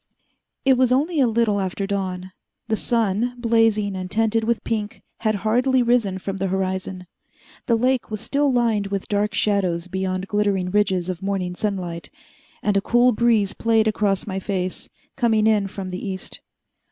It was only a little after dawn. The sun, blazing and tinted with pink, had hardly risen from the horizon. The lake was still lined with dark shadows behind glittering ridges of morning sunlight, and a cool breeze played across my face, coming in from the east.